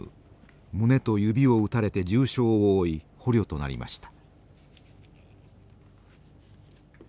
胸と指を撃たれて重傷を負い捕虜となりました。